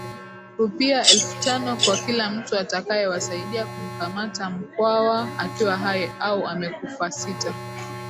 rupia elfu tano kwa kila mtu atakayewasaidia kumkamata Mkwawa akiwa hai au amekufasita